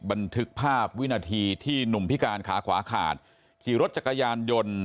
บันทึกภาพวินาทีที่หนุ่มพิการขาขวาขาดขี่รถจักรยานยนต์